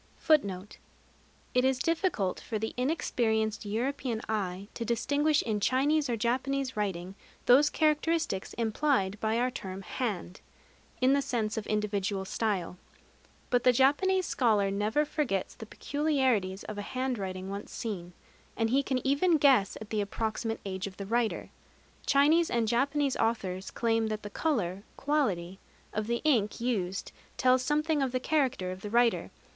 It is difficult for the inexperienced European eye to distinguish in Chinese or Japanese writing those characteristics implied by our term "hand" in the sense of individual style. But the Japanese scholar never forgets the peculiarities of a handwriting once seen; and he can even guess at the approximate age of the writer. Chinese and Japanese authors claim that the color (quality) of the ink used tells something of the character of the writer.